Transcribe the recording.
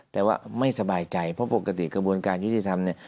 แต่ว่าไม่สบายใจเพราะปกติกระบวนการยุติธรรมเนี่ย